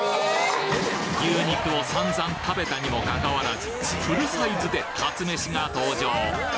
牛肉を散々食べたにもかかわらずフルサイズでかつめしが登場！